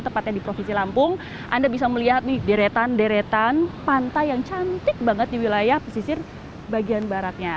tepatnya di provinsi lampung anda bisa melihat nih deretan deretan pantai yang cantik banget di wilayah pesisir bagian baratnya